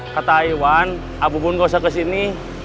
kata iwan ibu bun gak usah kesini